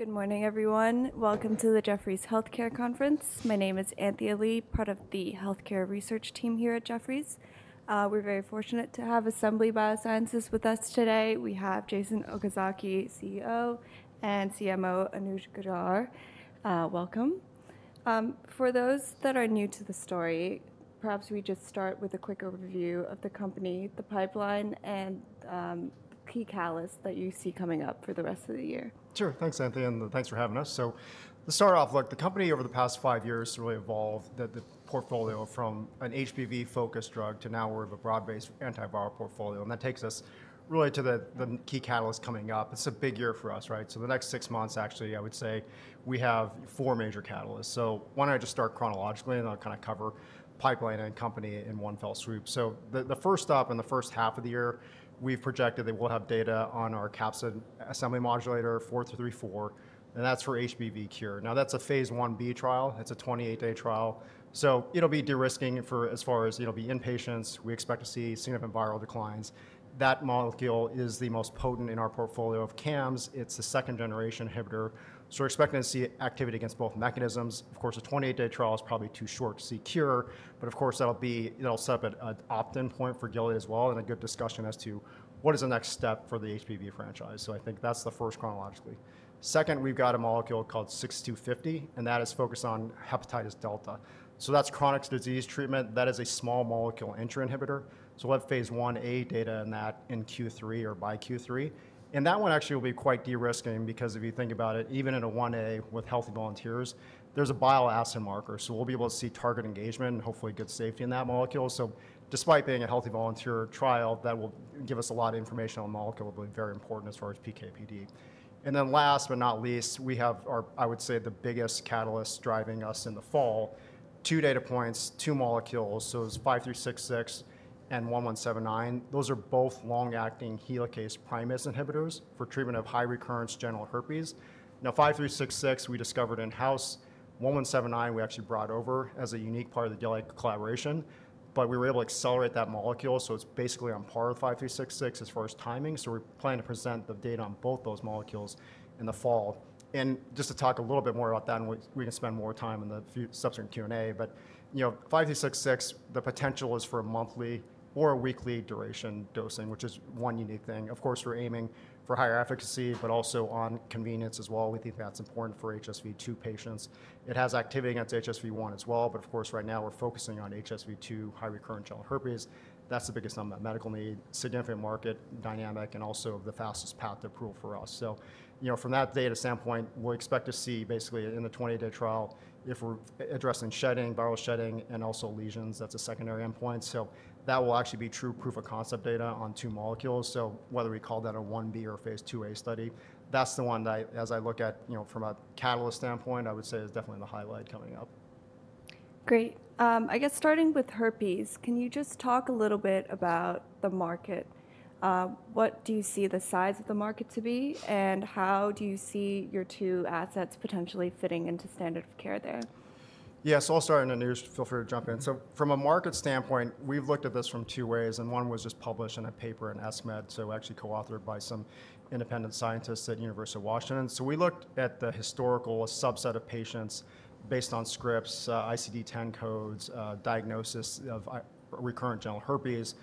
Good morning, everyone. Welcome to the Jefferies Healthcare Conference. My name is Anthea Lee, part of the healthcare research team here at Jefferies. We're very fortunate to have Assembly Biosciences with us today. We have Jason Okazaki, CEO, and CMO Anuj Gaggar. Welcome. For those that are new to the story, perhaps we just start with a quick overview of the company, the pipeline, and the key catalyst that you see coming up for the rest of the year. Sure. Thanks, Anthea, and thanks for having us. To start off, look, the company over the past five years really evolved the portfolio from an HPV-focused drug to now we're of a broad-based antiviral portfolio. That takes us really to the key catalyst coming up. It's a big year for us, right? The next six months, actually, I would say we have four major catalysts. Why don't I just start chronologically, and I'll kind of cover pipeline and company in one fell swoop. The first up in the first half of the year, we've projected that we'll have data on our capsid assembly modulator 4334, and that's for HPV cure. Now, that's a phase 1B trial. It's a 28-day trial. It'll be de-risking for as far as it'll be in patients. We expect to see significant viral declines. That molecule is the most potent in our portfolio of CAMs. It's the second-generation inhibitor. We're expecting to see activity against both mechanisms. Of course, a 28-day trial is probably too short to see cure, but that'll set up an opt-in point for Gilead as well and a good discussion as to what is the next step for the HBV franchise. I think that's the first chronologically. Second, we've got a molecule called 6250, and that is focused on hepatitis delta. That's chronic disease treatment. That is a small molecule entry inhibitor. We'll have phase 1A data in that in Q3 or by Q3. That one actually will be quite de-risking because if you think about it, even in a 1A with healthy volunteers, there's a bile acid marker. We'll be able to see target engagement and hopefully good safety in that molecule. Despite being a healthy volunteer trial, that will give us a lot of information on the molecule, will be very important as far as PK/PD. Last but not least, we have our, I would say, the biggest catalyst driving us in the fall, two data points, two molecules. It's 5366 and 1179. Those are both long-acting helicase-primase inhibitors for treatment of high recurrence genital herpes. Now, 5366 we discovered in-house. 1179 we actually brought over as a unique part of the Gilead collaboration, but we were able to accelerate that molecule. It's basically on par with 5366 as far as timing. We plan to present the data on both those molecules in the fall. Just to talk a little bit more about that, and we can spend more time in the subsequent Q&A, but 5366, the potential is for a monthly or a weekly duration dosing, which is one unique thing. Of course, we're aiming for higher efficacy, but also on convenience as well, we think that's important for HSV2 patients. It has activity against HSV1 as well, but of course, right now we're focusing on HSV2 high recurrence genital herpes. That's the biggest unmet medical need, significant market, dynamic, and also the fastest path to approval for us. From that data standpoint, we'll expect to see basically in the 28-day trial, if we're addressing shedding, viral shedding, and also lesions, that's a secondary endpoint. That will actually be true proof of concept data on two molecules. Whether we call that a 1B or a phase 2A study, that's the one that, as I look at from a catalyst standpoint, I would say is definitely the highlight coming up. Great. I guess starting with herpes, can you just talk a little bit about the market? What do you see the size of the market to be, and how do you see your two assets potentially fitting into standard of care there? Yeah, so I'll start, and Anuj, feel free to jump in. From a market standpoint, we've looked at this from two ways, and one was just published in a paper in Esmed, actually co-authored by some independent scientists at the University of Washington. We looked at the historical subset of patients based on scripts, ICD-10 codes, diagnosis of recurrent genital herpes,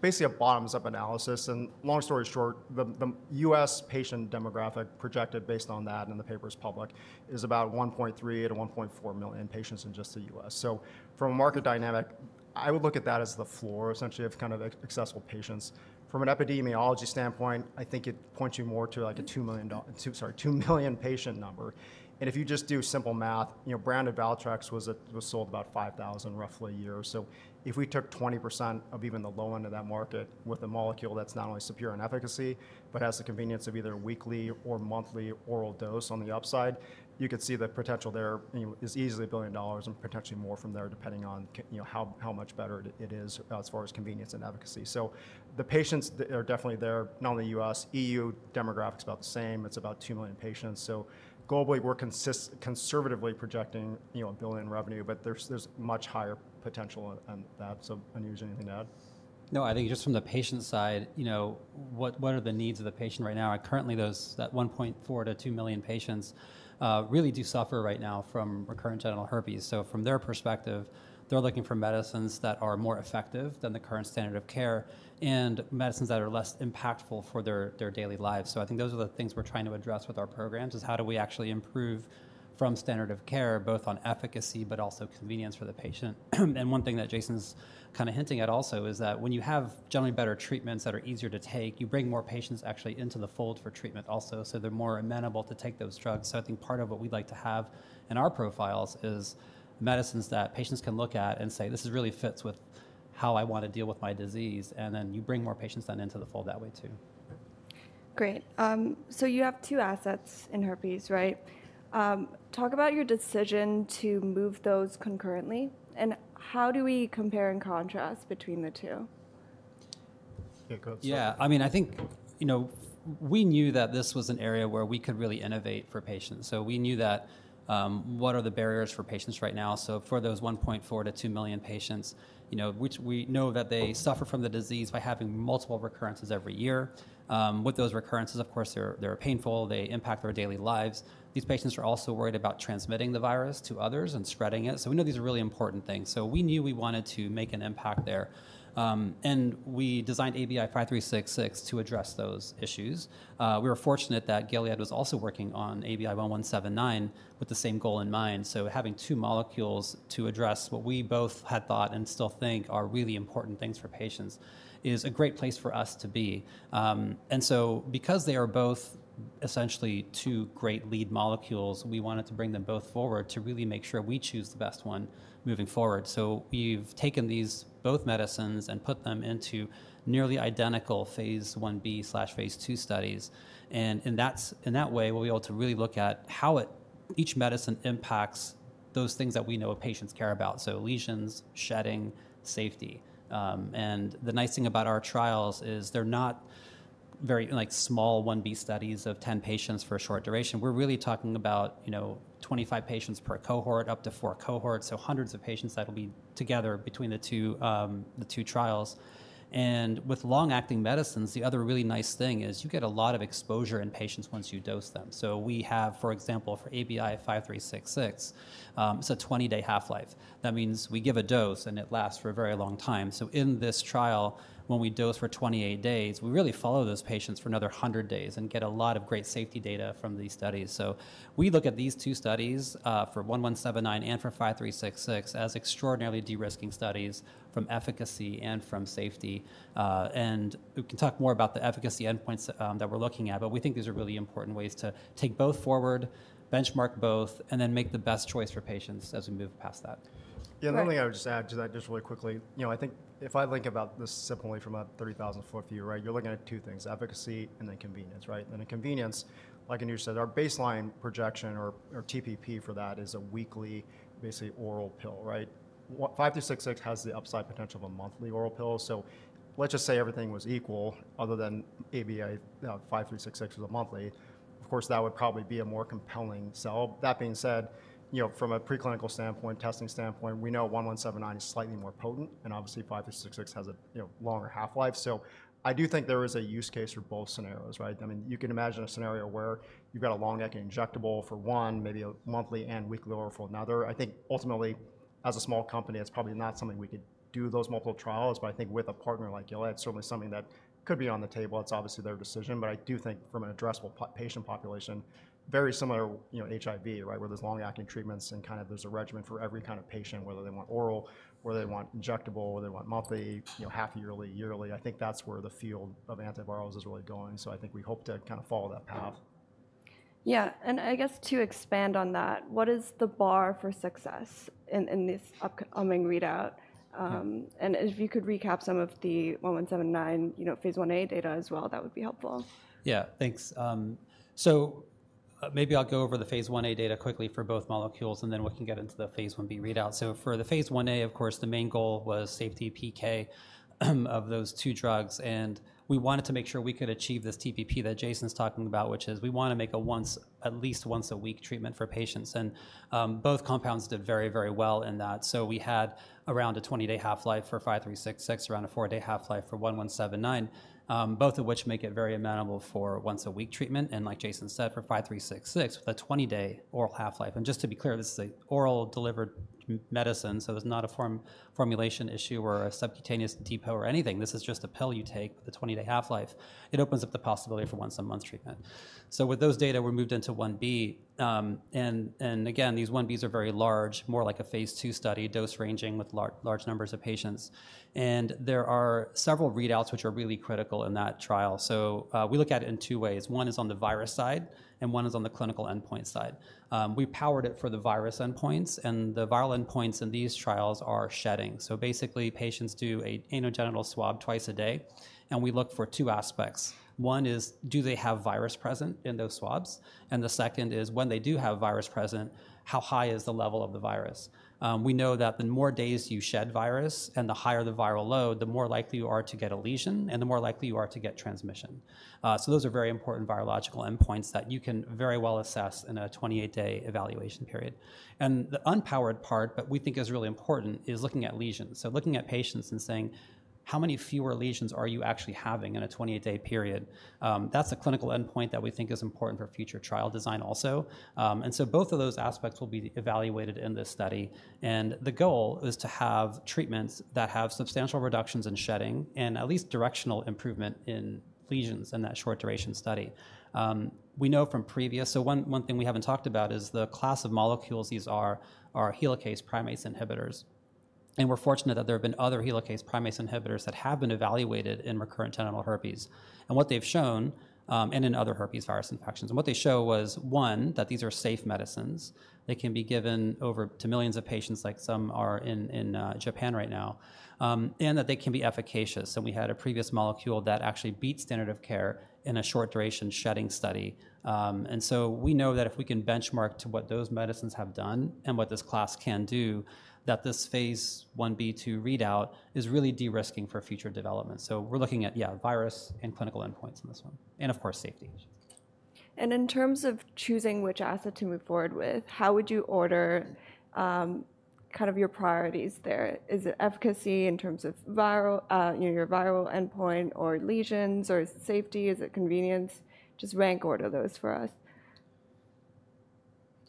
basically a bottoms-up analysis. Long story short, the US patient demographic projected based on that, and the paper is public, is about 1.3-1.4 million patients in just the US. From a market dynamic, I would look at that as the floor essentially of kind of accessible patients. From an epidemiology standpoint, I think it points you more to like a 2 million patient number. If you just do simple math, Branded Valtrex was sold about $5,000 roughly a year. If we took 20% of even the low end of that market with a molecule that's not only superior in efficacy, but has the convenience of either a weekly or monthly oral dose on the upside, you could see the potential there is easily $1 billion and potentially more from there depending on how much better it is as far as convenience and efficacy. The patients are definitely there, not only U.S., EU demographics about the same. It's about 2 million patients. Globally, we're conservatively projecting $1 billion revenue, but there's much higher potential on that. Anuj, anything to add? No, I think just from the patient side, what are the needs of the patient right now? Currently, that 1.4-2 million patients really do suffer right now from recurrent genital herpes. From their perspective, they're looking for medicines that are more effective than the current standard of care and medicines that are less impactful for their daily lives. I think those are the things we're trying to address with our programs, is how do we actually improve from standard of care, both on efficacy, but also convenience for the patient. One thing that Jason's kind of hinting at also is that when you have generally better treatments that are easier to take, you bring more patients actually into the fold for treatment also, so they're more amenable to take those drugs. I think part of what we'd like to have in our profiles is medicines that patients can look at and say, "This really fits with how I want to deal with my disease," and then you bring more patients then into the fold that way too. Great. So you have two assets in herpes, right? Talk about your decision to move those concurrently, and how do we compare and contrast between the two? Yeah, I mean, I think we knew that this was an area where we could really innovate for patients. We knew that what are the barriers for patients right now. For those 1.4-2 million patients, we know that they suffer from the disease by having multiple recurrences every year. With those recurrences, of course, they're painful. They impact their daily lives. These patients are also worried about transmitting the virus to others and spreading it. We know these are really important things. We knew we wanted to make an impact there, and we designed ABI-5366 to address those issues. We were fortunate that Gilead was also working on ABI-1179 with the same goal in mind. Having two molecules to address what we both had thought and still think are really important things for patients is a great place for us to be. Because they are both essentially two great lead molecules, we wanted to bring them both forward to really make sure we choose the best one moving forward. We've taken these both medicines and put them into nearly identical phase 1B/phase 2 studies. In that way, we'll be able to really look at how each medicine impacts those things that we know patients care about. Lesions, shedding, safety. The nice thing about our trials is they're not very small 1B studies of 10 patients for a short duration. We're really talking about 25 patients per cohort, up to four cohorts, so hundreds of patients that will be together between the two trials. With long-acting medicines, the other really nice thing is you get a lot of exposure in patients once you dose them. For example, for ABI-5366, it's a 20-day half-life. That means we give a dose, and it lasts for a very long time. In this trial, when we dose for 28 days, we really follow those patients for another 100 days and get a lot of great safety data from these studies. We look at these two studies for 1179 and for 5366 as extraordinarily de-risking studies from efficacy and from safety. We can talk more about the efficacy endpoints that we're looking at, but we think these are really important ways to take both forward, benchmark both, and then make the best choice for patients as we move past that. Yeah. The only thing I would just add to that just really quickly, I think if I think about this simply from a 30,000-foot view, you're looking at two things, efficacy and then convenience. Then convenience, like Anuj said, our baseline projection or TPP for that is a weekly, basically oral pill. 5366 has the upside potential of a monthly oral pill. Let's just say everything was equal other than ABI-5366 was a monthly. Of course, that would probably be a more compelling sell. That being said, from a preclinical standpoint, testing standpoint, we know 1179 is slightly more potent, and obviously 5366 has a longer half-life. I do think there is a use case for both scenarios. I mean, you can imagine a scenario where you've got a long-acting injectable for one, maybe a monthly and weekly oral for another. I think ultimately, as a small company, it's probably not something we could do those multiple trials, but I think with a partner like Gilead, it's certainly something that could be on the table. It's obviously their decision, but I do think from an addressable patient population, very similar HIV, where there's long-acting treatments and kind of there's a regimen for every kind of patient, whether they want oral, whether they want injectable, whether they want monthly, half-yearly, yearly. I think that's where the field of antivirals is really going. I think we hope to kind of follow that path. Yeah, and I guess to expand on that, what is the bar for success in this upcoming readout? If you could recap some of the 1179 phase 1A data as well, that would be helpful. Yeah, thanks. Maybe I'll go over the phase 1A data quickly for both molecules, and then we can get into the phase 1B readout. For the phase 1A, of course, the main goal was safety PK of those two drugs. We wanted to make sure we could achieve this TPP that Jason's talking about, which is we want to make at least once a week treatment for patients. Both compounds did very, very well in that. We had around a 20-day half-life for 5366, around a four-day half-life for 1179, both of which make it very amenable for once-a-week treatment. Like Jason said, for 5366 with a 20-day oral half-life. Just to be clear, this is an oral-delivered medicine, so there's not a formulation issue or a subcutaneous depot or anything. This is just a pill you take with a 20-day half-life. It opens up the possibility for once-a-month treatment. With those data, we moved into 1B. Again, these 1Bs are very large, more like a phase two study, dose ranging with large numbers of patients. There are several readouts which are really critical in that trial. We look at it in two ways. One is on the virus side, and one is on the clinical endpoint side. We powered it for the virus endpoints, and the viral endpoints in these trials are shedding. Basically, patients do an anal genital swab twice a day, and we look for two aspects. One is, do they have virus present in those swabs? The second is, when they do have virus present, how high is the level of the virus? We know that the more days you shed virus and the higher the viral load, the more likely you are to get a lesion and the more likely you are to get transmission. Those are very important virological endpoints that you can very well assess in a 28-day evaluation period. The unpowered part, but we think is really important, is looking at lesions. Looking at patients and saying, how many fewer lesions are you actually having in a 28-day period? That is a clinical endpoint that we think is important for future trial design also. Both of those aspects will be evaluated in this study. The goal is to have treatments that have substantial reductions in shedding and at least directional improvement in lesions in that short duration study. We know from previous, so one thing we haven't talked about is the class of molecules these are, are helicase-primase inhibitors. And we're fortunate that there have been other helicase-primase inhibitors that have been evaluated in recurrent genital herpes. And what they've shown and in other herpes virus infections, and what they show was, one, that these are safe medicines. They can be given over to millions of patients, like some are in Japan right now, and that they can be efficacious. And we had a previous molecule that actually beat standard of care in a short duration shedding study. And so we know that if we can benchmark to what those medicines have done and what this class can do, that this phase 1b/2 readout is really de-risking for future development. So we're looking at, yeah, virus and clinical endpoints in this one. And of course, safety. In terms of choosing which asset to move forward with, how would you order kind of your priorities there? Is it efficacy in terms of your viral endpoint or lesions or safety? Is it convenience? Just rank order those for us.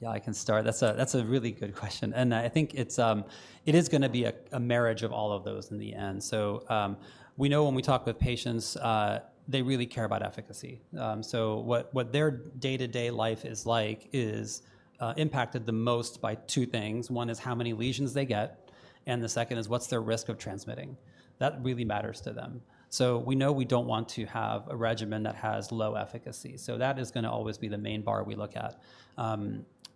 Yeah, I can start. That's a really good question. I think it is going to be a marriage of all of those in the end. We know when we talk with patients, they really care about efficacy. What their day-to-day life is like is impacted the most by two things. One is how many lesions they get, and the second is what's their risk of transmitting. That really matters to them. We know we don't want to have a regimen that has low efficacy. That is going to always be the main bar we look at.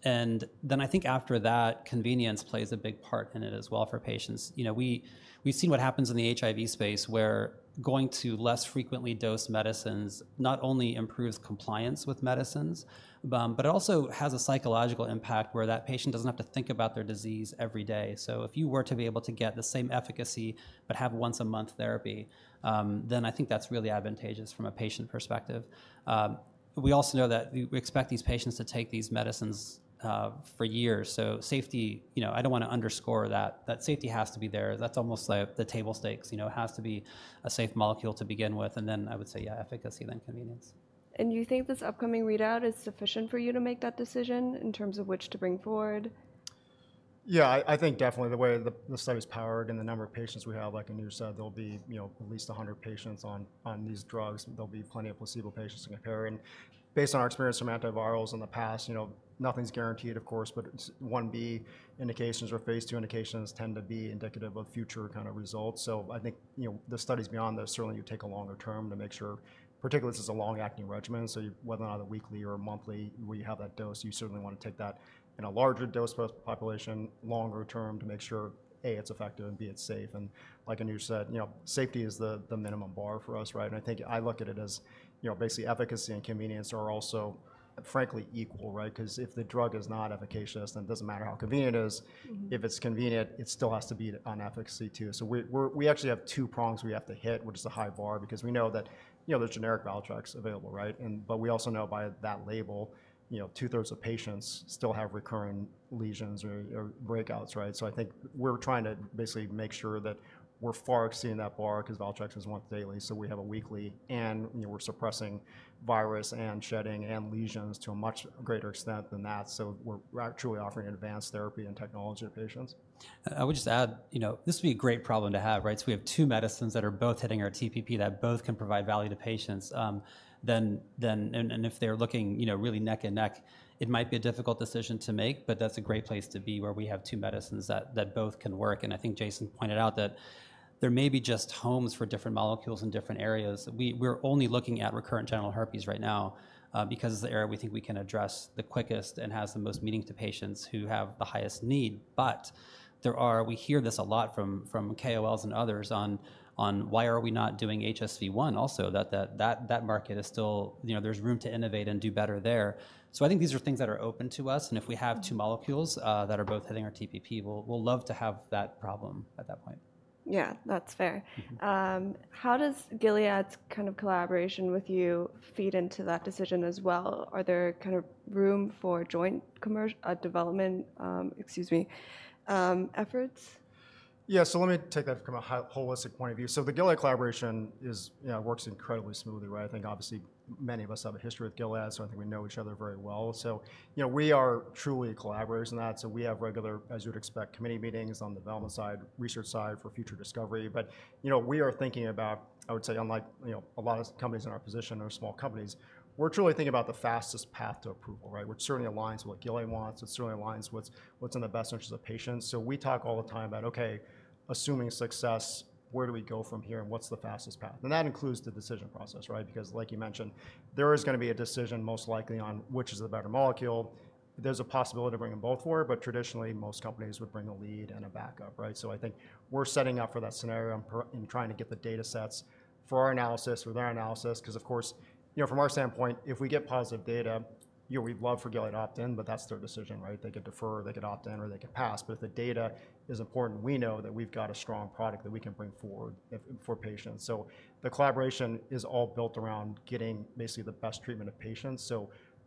I think after that, convenience plays a big part in it as well for patients. We've seen what happens in the HIV space where going to less frequently dosed medicines not only improves compliance with medicines, but it also has a psychological impact where that patient doesn't have to think about their disease every day. If you were to be able to get the same efficacy but have once-a-month therapy, then I think that's really advantageous from a patient perspective. We also know that we expect these patients to take these medicines for years. Safety, I don't want to underscore that. That safety has to be there. That's almost the table stakes. It has to be a safe molecule to begin with. I would say, yeah, efficacy, then convenience. Do you think this upcoming readout is sufficient for you to make that decision in terms of which to bring forward? Yeah, I think definitely the way the study is powered and the number of patients we have, like Anuj said, there'll be at least 100 patients on these drugs. There'll be plenty of placebo patients to compare. Based on our experience from antivirals in the past, nothing's guaranteed, of course, but 1B indications or phase two indications tend to be indicative of future kind of results. I think the studies beyond this, certainly you take a longer term to make sure, particularly this is a long-acting regimen. Whether or not a weekly or a monthly where you have that dose, you certainly want to take that in a larger dose population, longer term to make sure, A, it's effective and B, it's safe. Like Anuj said, safety is the minimum bar for us. I think I look at it as basically efficacy and convenience are also frankly equal, because if the drug is not efficacious, then it does not matter how convenient it is. If it is convenient, it still has to be on efficacy too. We actually have two prongs we have to hit, which is a high bar, because we know that there is generic Valtrex available. We also know by that label, two-thirds of patients still have recurring lesions or breakouts. I think we are trying to basically make sure that we are far exceeding that bar because Valtrex is once daily, we have a weekly, and we are suppressing virus and shedding and lesions to a much greater extent than that. We are actually offering advanced therapy and technology to patients. I would just add, this would be a great problem to have. We have two medicines that are both hitting our TPP that both can provide value to patients. If they're looking really neck and neck, it might be a difficult decision to make, but that's a great place to be where we have two medicines that both can work. I think Jason pointed out that there may be just homes for different molecules in different areas. We're only looking at recurrent genital herpes right now because it's the area we think we can address the quickest and has the most meaning to patients who have the highest need. We hear this a lot from KOLs and others on why are we not doing HSV1 also, that that market is still, there's room to innovate and do better there. I think these are things that are open to us. And if we have two molecules that are both hitting our TPP, we'll love to have that problem at that point. Yeah, that's fair. How does Gilead's kind of collaboration with you feed into that decision as well? Are there kind of room for joint development efforts? Yeah, let me take that from a holistic point of view. The Gilead collaboration works incredibly smoothly. I think obviously many of us have a history with Gilead, so I think we know each other very well. We are truly collaborators in that. We have regular, as you would expect, committee meetings on the development side, research side for future discovery. We are thinking about, I would say, unlike a lot of companies in our position or small companies, we're truly thinking about the fastest path to approval, which certainly aligns with what Gilead wants. It certainly aligns with what's in the best interest of patients. We talk all the time about, okay, assuming success, where do we go from here and what's the fastest path? That includes the decision process, because like you mentioned, there is going to be a decision most likely on which is the better molecule. There is a possibility to bring them both forward, but traditionally, most companies would bring a lead and a backup. I think we are setting up for that scenario and trying to get the data sets for our analysis, for their analysis, because of course, from our standpoint, if we get positive data, we would love for Gilead to opt in, but that is their decision. They could defer, they could opt in, or they could pass. If the data is important, we know that we have got a strong product that we can bring forward for patients. The collaboration is all built around getting basically the best treatment of patients.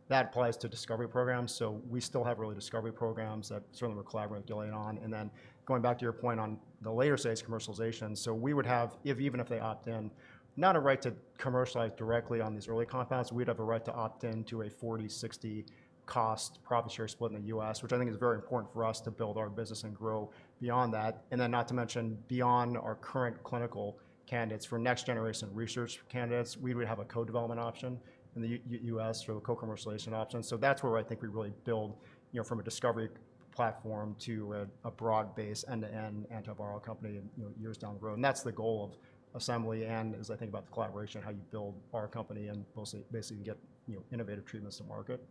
That applies to discovery programs. We still have early discovery programs that certainly we're collaborating with Gilead on. Going back to your point on the later stage commercialization, we would have, even if they opt in, not a right to commercialize directly on these early compounds, but we'd have a right to opt into a 40/60 cost profit share split in the U.S., which I think is very important for us to build our business and grow beyond that. Not to mention beyond our current clinical candidates for next generation research candidates, we would have a co-development option in the US for co-commercialization options. That is where I think we really build from a discovery platform to a broad-based end-to-end antiviral company years down the road. That's the goal of Assembly and as I think about the collaboration, how you build our company and basically get innovative treatments to market.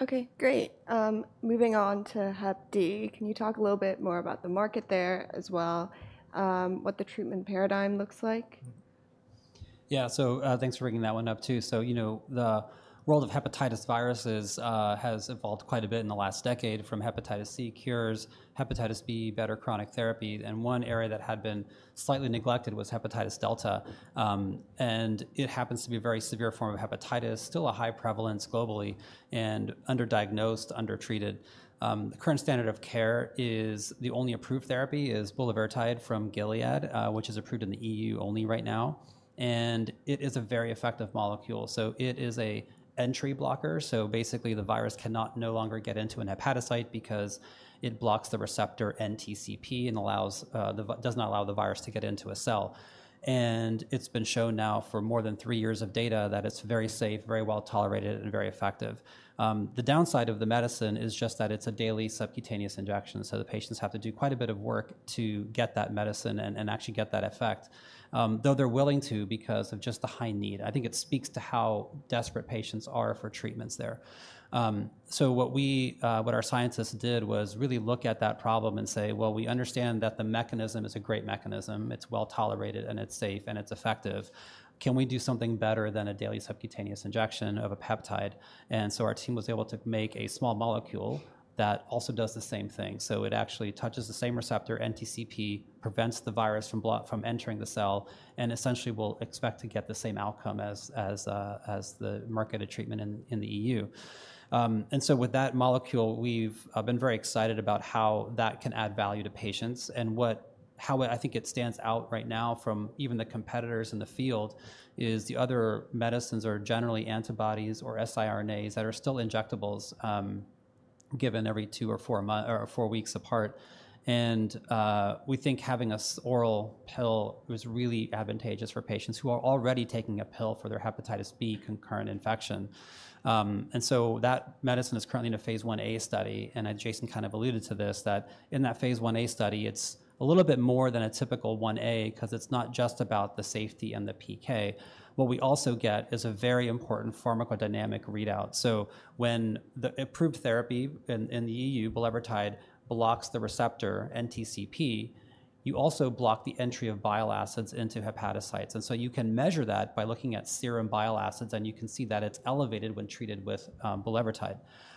Okay, great. Moving on to Hep D, can you talk a little bit more about the market there as well, what the treatment paradigm looks like? Yeah, so thanks for bringing that one up too. The world of hepatitis viruses has evolved quite a bit in the last decade from hepatitis C cures, hepatitis B, better chronic therapy. One area that had been slightly neglected was hepatitis delta. It happens to be a very severe form of hepatitis, still a high prevalence globally and underdiagnosed, undertreated. The current standard of care is the only approved therapy is Bulevirtide from Gilead, which is approved in the EU only right now. It is a very effective molecule. It is an entry blocker. Basically, the virus can no longer get into a hepatocyte because it blocks the receptor NTCP and does not allow the virus to get into a cell. It has been shown now for more than three years of data that it is very safe, very well tolerated, and very effective. The downside of the medicine is just that it's a daily subcutaneous injection. The patients have to do quite a bit of work to get that medicine and actually get that effect, though they're willing to because of just the high need. I think it speaks to how desperate patients are for treatments there. What our scientists did was really look at that problem and say, we understand that the mechanism is a great mechanism. It's well tolerated and it's safe and it's effective. Can we do something better than a daily subcutaneous injection of a peptide? Our team was able to make a small molecule that also does the same thing. It actually touches the same receptor NTCP, prevents the virus from entering the cell, and essentially will expect to get the same outcome as the marketed treatment in the EU. With that molecule, we've been very excited about how that can add value to patients. How I think it stands out right now from even the competitors in the field is the other medicines are generally antibodies or siRNAs that are still injectables given every two or four weeks apart. We think having an oral pill was really advantageous for patients who are already taking a pill for their hepatitis B concurrent infection. That medicine is currently in a phase 1A study. Jason kind of alluded to this, that in that phase 1A study, it's a little bit more than a typical 1A because it's not just about the safety and the PK. What we also get is a very important pharmacodynamic readout. When the approved therapy in the EU, Bulevirtide, blocks the receptor NTCP, you also block the entry of bile acids into hepatocytes. You can measure that by looking at serum bile acids, and you can see that it is elevated when treated with Bulevirtide.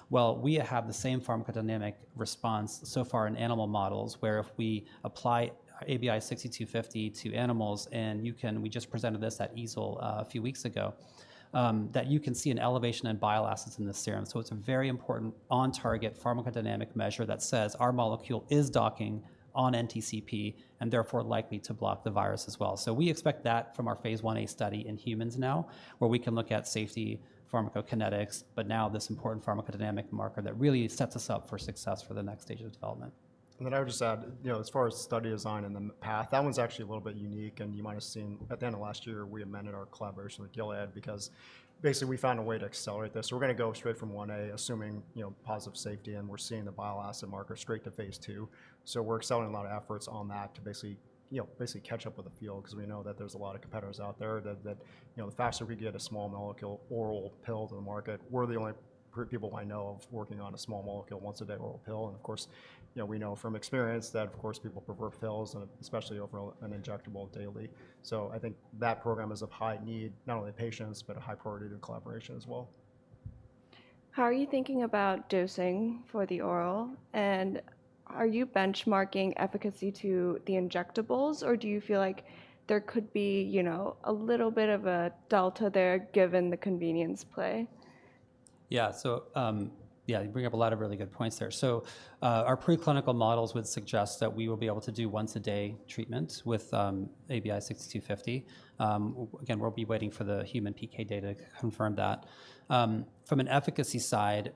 We have the same pharmacodynamic response so far in animal models where if we apply ABI-6250 to animals, and we just presented this at EASL a few weeks ago, you can see an elevation in bile acids in the serum. It is a very important on-target pharmacodynamic measure that says our molecule is docking on NTCP and therefore likely to block the virus as well. We expect that from our phase 1A study in humans now, where we can look at safety, pharmacokinetics, but now this important pharmacodynamic marker that really sets us up for success for the next stage of development. I would just add, as far as study design and the path, that one's actually a little bit unique. You might have seen at the end of last year, we amended our collaboration with Gilead because basically we found a way to accelerate this. We are going to go straight from 1A, assuming positive safety, and we are seeing the bile acid marker, straight to phase two. We are accelerating a lot of efforts on that to basically catch up with the field because we know that there are a lot of competitors out there. The faster we get a small molecule oral pill to the market, we are the only people I know of working on a small molecule once a day oral pill. Of course, we know from experience that, of course, people prefer pills, especially over an injectable daily. I think that program is of high need, not only patients, but a high priority to collaboration as well. How are you thinking about dosing for the oral? Are you benchmarking efficacy to the injectables, or do you feel like there could be a little bit of a delta there given the convenience play? Yeah, you bring up a lot of really good points there. Our preclinical models would suggest that we will be able to do once-a-day treatments with ABI-6250. Again, we'll be waiting for the human PK data to confirm that. From an efficacy side,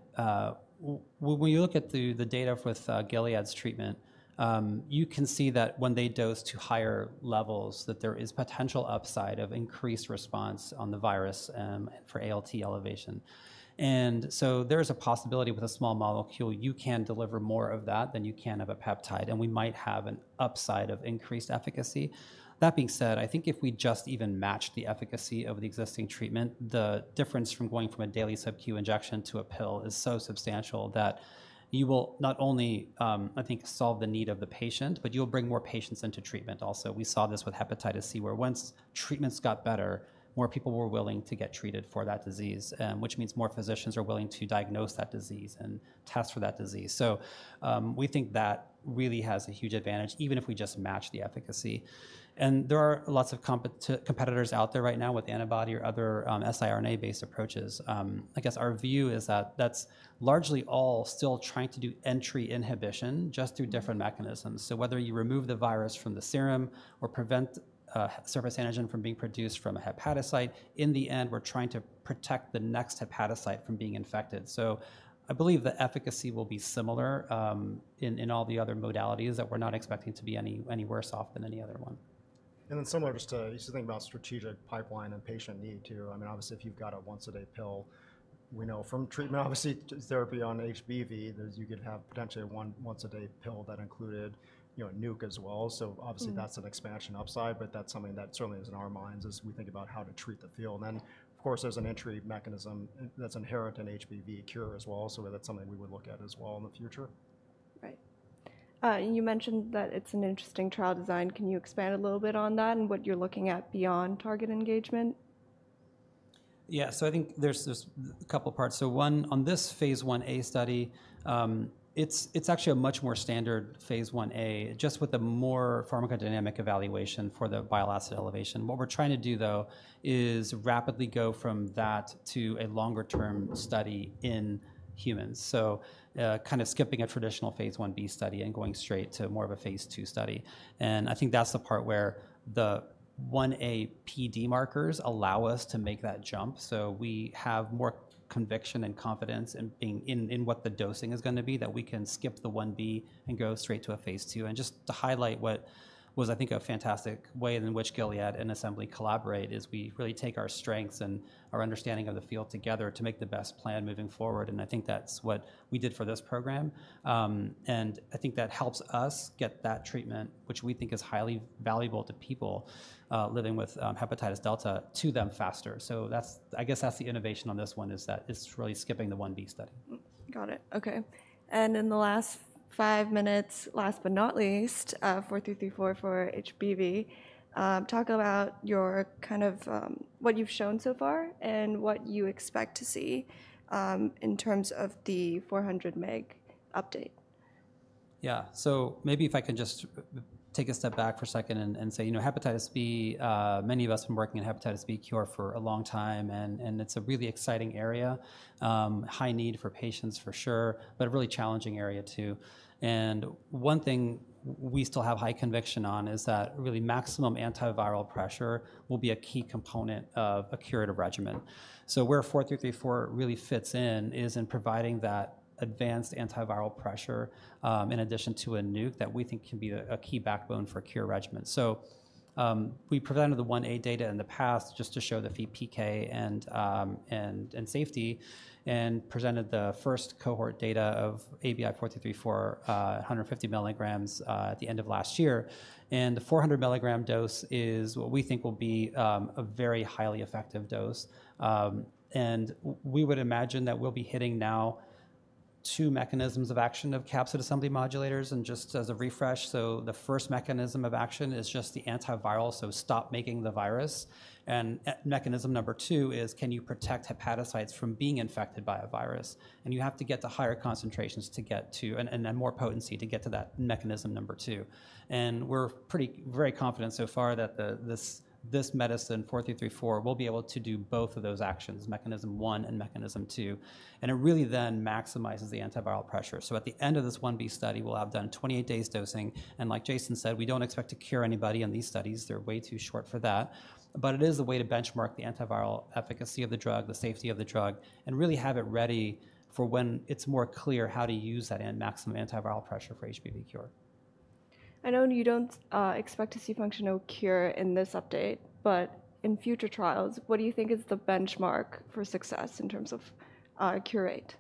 when you look at the data with Gilead's treatment, you can see that when they dose to higher levels, there is potential upside of increased response on the virus for ALT elevation. There is a possibility with a small molecule you can deliver more of that than you can of a peptide, and we might have an upside of increased efficacy. That being said, I think if we just even match the efficacy of the existing treatment, the difference from going from a daily subcu injection to a pill is so substantial that you will not only, I think, solve the need of the patient, but you'll bring more patients into treatment also. We saw this with hepatitis C where once treatments got better, more people were willing to get treated for that disease, which means more physicians are willing to diagnose that disease and test for that disease. We think that really has a huge advantage, even if we just match the efficacy. There are lots of competitors out there right now with antibody or other siRNA-based approaches. I guess our view is that that's largely all still trying to do entry inhibition just through different mechanisms. Whether you remove the virus from the serum or prevent surface antigen from being produced from a hepatocyte, in the end, we're trying to protect the next hepatocyte from being infected. I believe the efficacy will be similar in all the other modalities and we're not expecting to be any worse off than any other one. Similar just to, you should think about strategic pipeline and patient need too. I mean, obviously, if you've got a once-a-day pill, we know from treatment, obviously, therapy on HBV, you could have potentially a once-a-day pill that included nuke as well. Obviously, that's an expansion upside, but that's something that certainly is in our minds as we think about how to treat the field. Of course, there's an entry mechanism that's inherent in HBV cure as well. That's something we would look at as well in the future. Right. You mentioned that it's an interesting trial design. Can you expand a little bit on that and what you're looking at beyond target engagement? Yeah, so I think there's a couple of parts. One, on this phase 1A study, it's actually a much more standard phase 1A just with a more pharmacodynamic evaluation for the bile acid elevation. What we're trying to do, though, is rapidly go from that to a longer-term study in humans. Kind of skipping a traditional phase 1B study and going straight to more of a phase 2 study. I think that's the part where the 1A PD markers allow us to make that jump. We have more conviction and confidence in what the dosing is going to be that we can skip the 1B and go straight to a phase 2. Just to highlight what was, I think, a fantastic way in which Gilead and Assembly collaborate is we really take our strengths and our understanding of the field together to make the best plan moving forward. I think that's what we did for this program. I think that helps us get that treatment, which we think is highly valuable to people living with hepatitis Delta, to them faster. I guess that's the innovation on this one is that it's really skipping the 1B study. Got it. Okay. And in the last five minutes, last but not least, 4334 for HBV, talk about your kind of what you've shown so far and what you expect to see in terms of the 400 mg update. Yeah, so maybe if I can just take a step back for a second and say hepatitis B, many of us have been working in hepatitis B cure for a long time. It's a really exciting area, high need for patients for sure, but a really challenging area too. One thing we still have high conviction on is that really maximum antiviral pressure will be a key component of a curative regimen. Where 4334 really fits in is in providing that advanced antiviral pressure in addition to a nuke that we think can be a key backbone for a cure regimen. We presented the 1A data in the past just to show the fee PK and safety and presented the first cohort data of ABI-4334, 150 milligrams at the end of last year. The 400 milligram dose is what we think will be a very highly effective dose. We would imagine that we'll be hitting now two mechanisms of action of capsid assembly modulators. Just as a refresh, the first mechanism of action is just the antiviral, so stop making the virus. Mechanism number two is, can you protect hepatocytes from being infected by a virus? You have to get to higher concentrations to get to and more potency to get to that mechanism number two. We're pretty very confident so far that this medicine, 4334, will be able to do both of those actions, mechanism one and mechanism two. It really then maximizes the antiviral pressure. At the end of this 1B study, we'll have done 28 days dosing. Like Jason said, we don't expect to cure anybody in these studies. They're way too short for that. It is a way to benchmark the antiviral efficacy of the drug, the safety of the drug, and really have it ready for when it's more clear how to use that maximum antiviral pressure for HBV cure. I know you don't expect to see functional cure in this update, but in future trials, what do you think is the benchmark for success in terms of cure rate?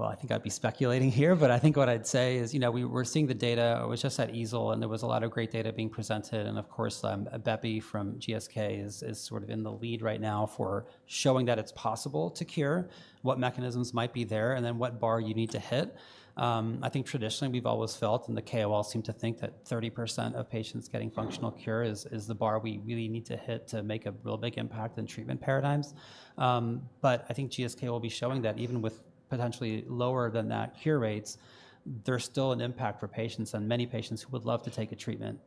I think I'd be speculating here, but I think what I'd say is we're seeing the data. I was just at EASL, and there was a lot of great data being presented. Of course, Bepirovirsen from GSK is sort of in the lead right now for showing that it's possible to cure, what mechanisms might be there, and then what bar you need to hit. I think traditionally we've always felt, and the KOLs seem to think that 30% of patients getting functional cure is the bar we really need to hit to make a real big impact in treatment paradigms. I think GSK will be showing that even with potentially lower than that cure rates, there's still an impact for patients and many patients who would love to take a treatment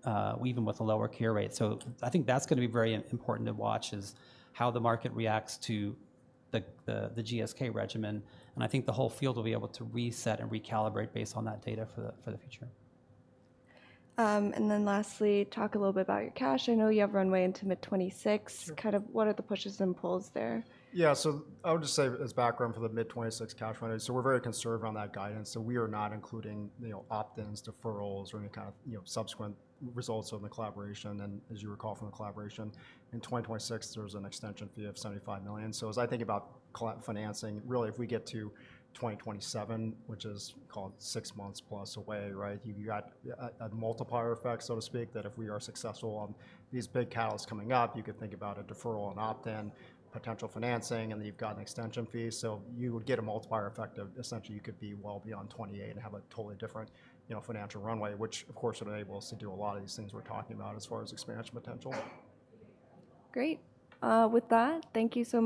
even with a lower cure rate. I think that's going to be very important to watch is how the market reacts to the GSK regimen. I think the whole field will be able to reset and recalibrate based on that data for the future. Lastly, talk a little bit about your cash. I know you have runway into mid-2026. Kind of what are the pushes and pulls there? Yeah, so I would just say as background for the mid-2026 cash runway, we are very conservative on that guidance. We are not including opt-ins, deferrals, or any kind of subsequent results on the collaboration. As you recall from the collaboration, in 2026, there is an extension fee of $75 million. As I think about financing, really, if we get to 2027, which is called six months plus away, right, you have got a multiplier effect, so to speak, that if we are successful on these big cows coming up, you could think about a deferral and opt-in potential financing, and then you have got an extension fee. You would get a multiplier effect of essentially you could be well beyond 28 and have a totally different financial runway, which, of course, would enable us to do a lot of these things we're talking about as far as expansion potential. Great. With that, thank you so much.